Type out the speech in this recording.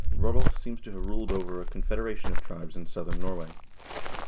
Rodulf seems to have ruled over a con federation of tribes in southern Norway.